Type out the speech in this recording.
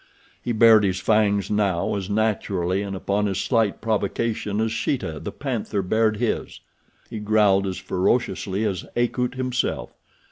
He bared his fangs now as naturally and upon as slight provocation as Sheeta, the panther, bared his. He growled as ferociously as Akut himself.